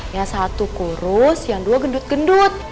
ya satu kurus yang dua gendut gendut